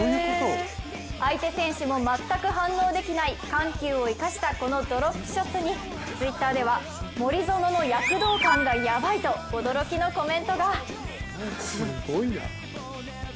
相手選手も全く反応できない緩急を生かしたこのドロップショットにＴｗｉｔｔｅｒでは、森薗の躍動感がヤバイと驚きのコメントが。